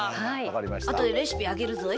あとでレシピあげるぞい。